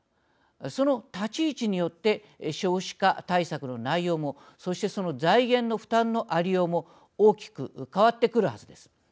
その立ち位置によって少子化対策の内容もそしてその財源の負担の在り方も大きく変わってくるはずです。